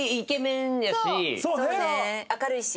明るいし。